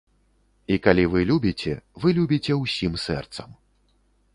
І калі вы любіце, вы любіце ўсім сэрцам.